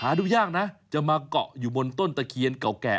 ดูยากนะจะมาเกาะอยู่บนต้นตะเคียนเก่าแก่